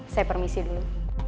saya permisi dulu